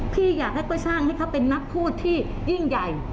พี่อยากให้เขาสร้างให้เขาเป็นนักพูดที่ยิ่งใหญ่